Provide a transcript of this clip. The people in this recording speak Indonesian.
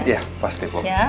iya pasti bu